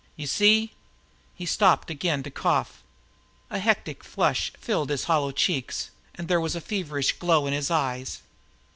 You see " He stopped again to cough. A hectic flush filled his hollow cheeks, and there was a feverish glow in his eyes.